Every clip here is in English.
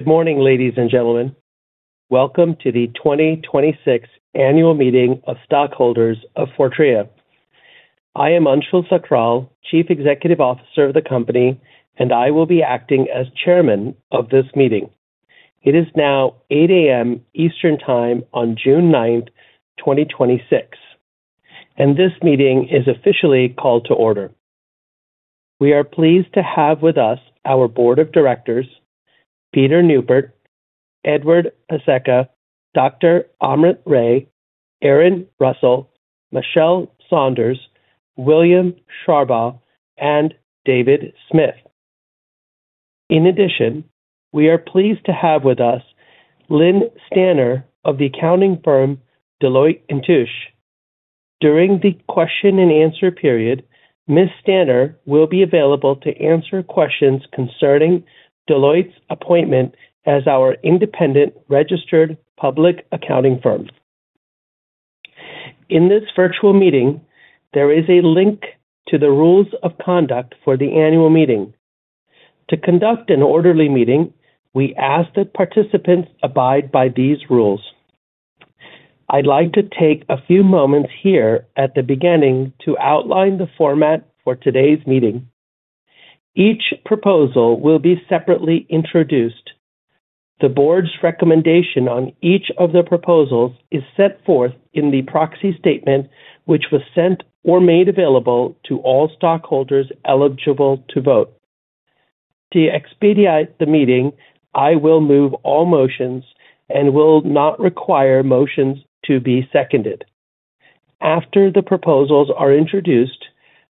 Good morning, ladies and gentlemen. Welcome to the 2026 Annual Meeting of Stockholders of Fortrea. I am Anshul Thakral, Chief Executive Officer of the company, and I will be acting as chairman of this meeting. It is now 8:00 A.M. Eastern Time on June 9, 2026, and this meeting is officially called to order. We are pleased to have with us our Board of Directors, Peter Neupert, Edward Pesicka, Dr. Amrit Ray, Erin Russell, Machelle Sanders, William Sharbaugh, and David Smith. In addition, we are pleased to have with us Lynn Staner of the accounting firm Deloitte & Touche. During the question and answer period, Ms. Staner will be available to answer questions concerning Deloitte's appointment as our independent registered public accounting firm. In this virtual meeting, there is a link to the rules of conduct for the annual meeting. To conduct an orderly meeting, we ask that participants abide by these rules. I'd like to take a few moments here at the beginning to outline the format for today's meeting. Each proposal will be separately introduced. The board's recommendation on each of the proposals is set forth in the proxy statement, which was sent or made available to all stockholders eligible to vote. To expedite the meeting, I will move all motions and will not require motions to be seconded. After the proposals are introduced,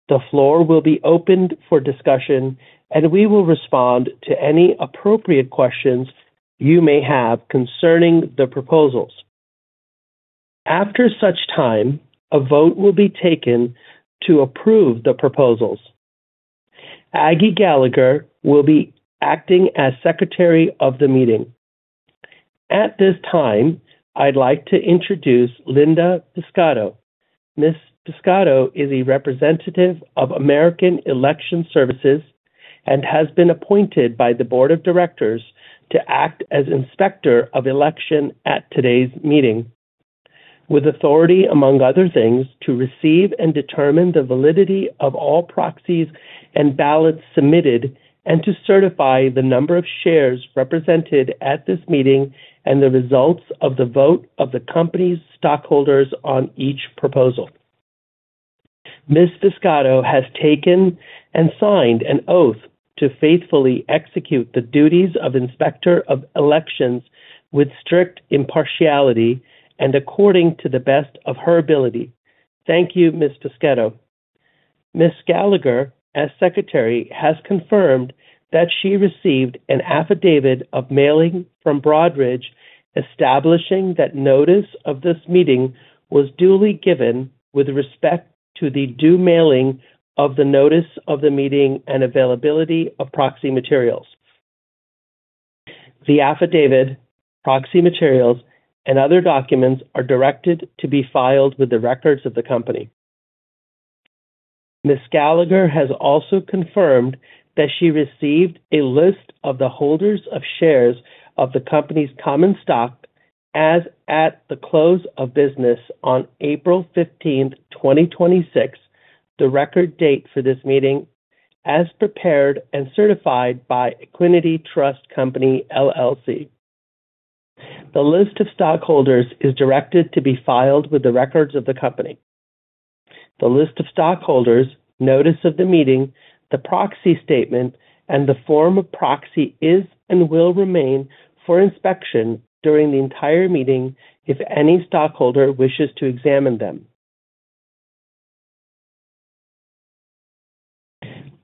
the floor will be opened for discussion, and we will respond to any appropriate questions you may have concerning the proposals. After such time, a vote will be taken to approve the proposals. Aggie Gallagher will be acting as secretary of the meeting. At this time, I'd like to introduce Linda Piscadlo. Ms. Piscadlo is a representative of American Election Services and has been appointed by the board of directors to act as Inspector of Election at today's meeting with authority, among other things, to receive and determine the validity of all proxies and ballots submitted and to certify the number of shares represented at this meeting and the results of the vote of the company's stockholders on each proposal. Ms. Piscadlo has taken and signed an oath to faithfully execute the duties of Inspector of Election with strict impartiality and according to the best of her ability. Thank you, Ms. Piscadlo. Ms. Gallagher, as secretary, has confirmed that she received an affidavit of mailing from Broadridge establishing that notice of this meeting was duly given with respect to the due mailing of the notice of the meeting and availability of proxy materials. The affidavit, proxy materials, and other documents are directed to be filed with the records of the company. Ms. Gallagher has also confirmed that she received a list of the holders of shares of the company's common stock as at the close of business on April 15th, 2026, the record date for this meeting, as prepared and certified by Equiniti Trust Company, LLC. The list of stockholders is directed to be filed with the records of the company. The list of stockholders, notice of the meeting, the proxy statement, and the form of proxy is and will remain for inspection during the entire meeting if any stockholder wishes to examine them.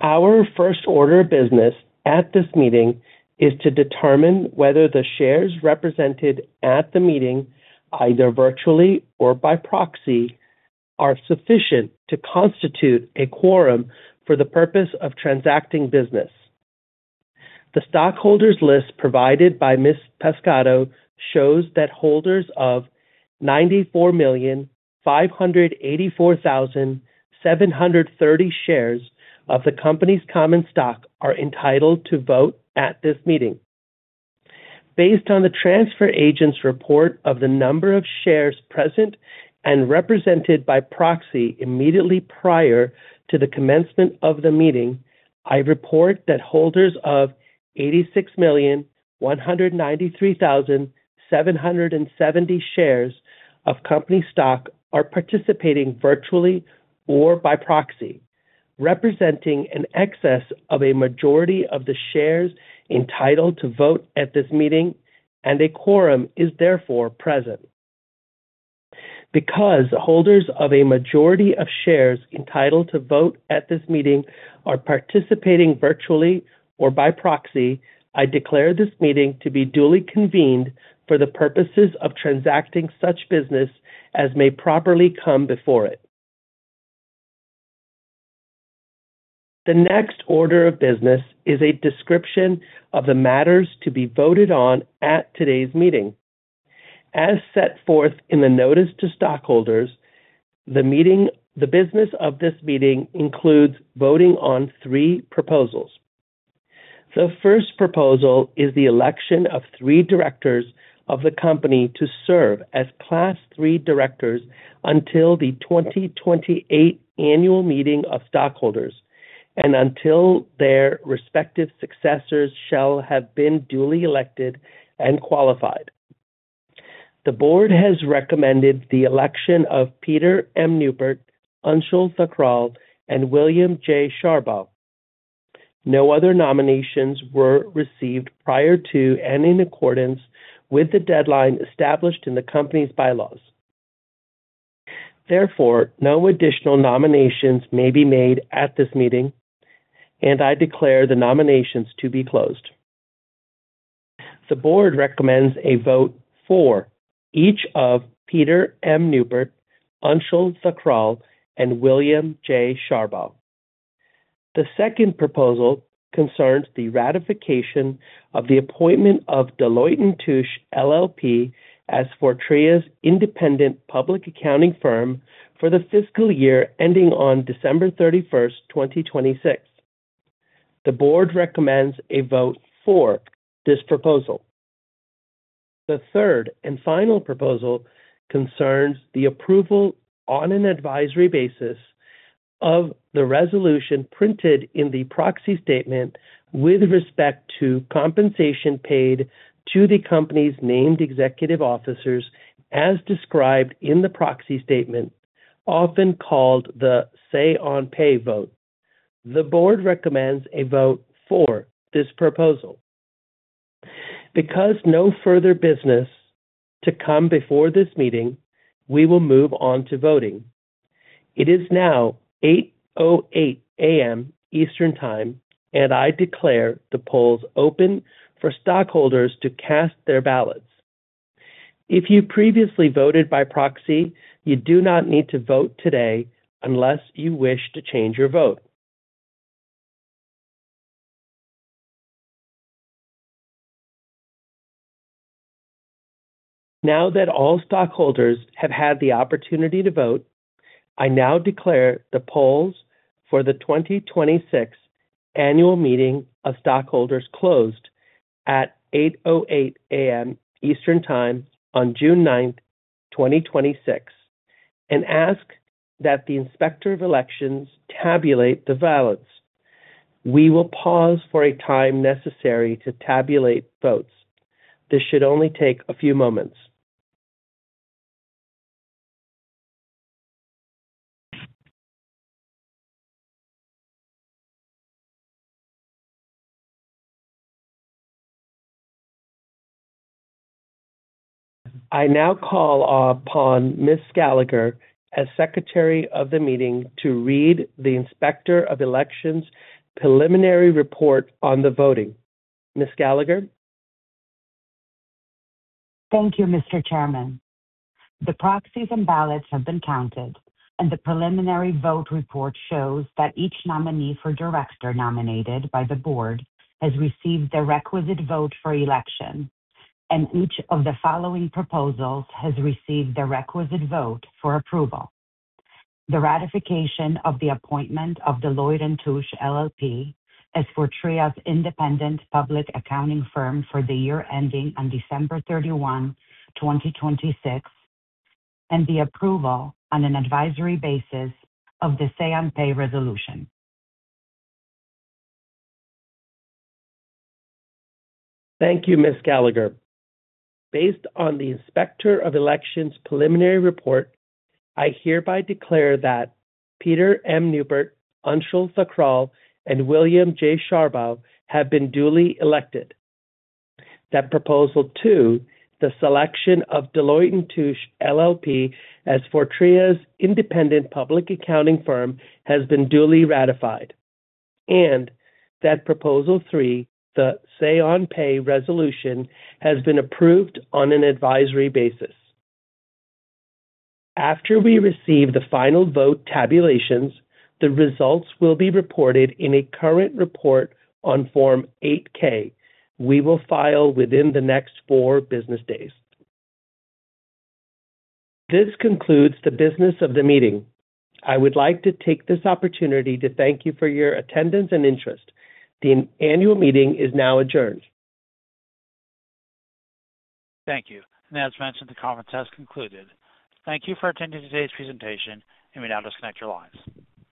Our first order of business at this meeting is to determine whether the shares represented at the meeting, either virtually or by proxy, are sufficient to constitute a quorum for the purpose of transacting business. The stockholders list provided by Ms. Piscadlo shows that holders of 94,584,730 shares of the company's common stock are entitled to vote at this meeting. Based on the transfer agent's report of the number of shares present and represented by proxy immediately prior to the commencement of the meeting, I report that holders of 86,193,770 shares of company stock are participating virtually or by proxy, representing an excess of a majority of the shares entitled to vote at this meeting, and a quorum is therefore present. Because holders of a majority of shares entitled to vote at this meeting are participating virtually or by proxy, I declare this meeting to be duly convened for the purposes of transacting such business as may properly come before it. The next order of business is a description of the matters to be voted on at today's meeting. As set forth in the notice to stockholders, the business of this meeting includes voting on three proposals. The first proposal is the election of three directors of the company to serve as Class III directors until the 2028 annual meeting of stockholders and until their respective successors shall have been duly elected and qualified. The board has recommended the election of Peter M. Neupert, Anshul Thakral, and William J. Sharbaugh. No other nominations were received prior to and in accordance with the deadline established in the company's bylaws. Therefore, no additional nominations may be made at this meeting, and I declare the nominations to be closed. The board recommends a vote for each of Peter M. Neupert, Anshul Thakral, and William J. Sharbaugh. The second proposal concerns the ratification of the appointment of Deloitte & Touche LLP as Fortrea's independent public accounting firm for the fiscal year ending on December 31st, 2026. The board recommends a vote for this proposal. The third and final proposal concerns the approval on an advisory basis of the resolution printed in the proxy statement with respect to compensation paid to the company's named executive officers as described in the proxy statement, often called the Say-on-Pay vote. The board recommends a vote for this proposal. No further business to come before this meeting, we will move on to voting. It is now 8:08 A.M. Eastern Time, and I declare the polls open for stockholders to cast their ballots. If you previously voted by proxy, you do not need to vote today unless you wish to change your vote. Now that all stockholders have had the opportunity to vote, I now declare the polls for the 2026 annual meeting of stockholders closed at 8:08 A.M. Eastern Time on June 9th, 2026, and ask that the Inspector of Elections tabulate the ballots. We will pause for a time necessary to tabulate votes. This should only take a few moments. I now call upon Ms. Gallagher as Secretary of the meeting to read the Inspector of Elections' preliminary report on the voting. Ms. Gallagher. Thank you, Mr. Chairman. The proxies and ballots have been counted, and the preliminary vote report shows that each nominee for director nominated by the board has received the requisite vote for election, and each of the following proposals has received the requisite vote for approval. The ratification of the appointment of Deloitte & Touche LLP as Fortrea's independent public accounting firm for the year ending on December 31, 2026, and the approval on an advisory basis of the Say-on-Pay resolution. Thank you, Ms. Gallagher. Based on the Inspector of Election's preliminary report, I hereby declare that Peter M. Neupert, Anshul Thakral, and William J. Sharbaugh have been duly elected. That Proposal 2, the selection of Deloitte & Touche LLP as Fortrea's independent public accounting firm has been duly ratified, and that Proposal 3, the Say-on-Pay resolution, has been approved on an advisory basis. After we receive the final vote tabulations, the results will be reported in a current report on Form 8-K we will file within the next four business days. This concludes the business of the meeting. I would like to take this opportunity to thank you for your attendance and interest. The annual meeting is now adjourned. Thank you. As mentioned, the conference has concluded. Thank you for attending today's presentation. You may now disconnect your lines.